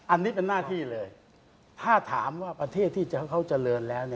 อันนี้เป็นหน้าที่เลยถ้าถามว่าประเทศที่เขาเจริญแล้ว